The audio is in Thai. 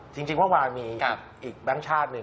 จริงเมื่อวานมีอีกแบงค์ชาติหนึ่ง